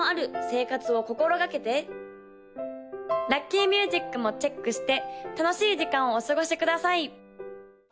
・ラッキーミュージックもチェックして楽しい時間をお過ごしください